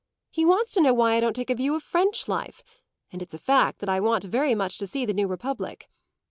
He wants to know why I don't take a view of French life; and it's a fact that I want very much to see the new Republic.